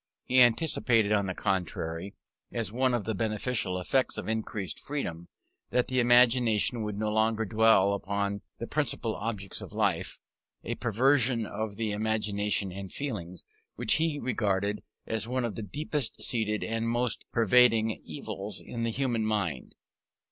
He anticipated, on the contrary, as one of the beneficial effects of increased freedom, that the imagination would no longer dwell upon the physical relation and its adjuncts, and swell this into one of the principal objects of life; a perversion of the imagination and feelings, which he regarded as one of the deepest seated and most pervading evils in the human mind.